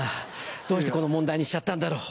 どうしてこの問題にしちゃったんだろう。